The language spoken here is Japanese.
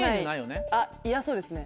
あっ嫌そうですね。